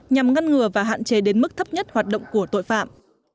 nhằm ngăn ngừa và hạn chế đến mức thấp nhất hoạt động của tội phạm